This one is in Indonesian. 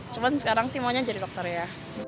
cuman sekarang sih maunya jadi dokter ya